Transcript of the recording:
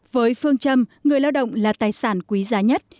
với phương châm người lao động là tài sản quý giá nhất